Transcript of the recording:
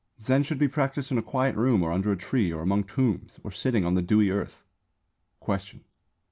Zen should be practised in a quiet room or under a tree or among tombs or sitting on the dewy earth. _Question.